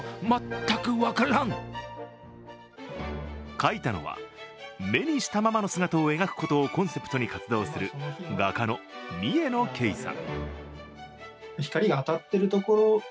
描いたのは、目にしたままの姿を描くことをコンセプトに活動する画家の三重野慶さん。